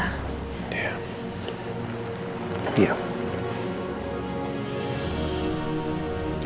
aku udah tanya langsung